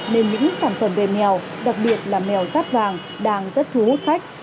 nên những sản phẩm về mèo đặc biệt là mèo rát vàng đang rất thu hút khách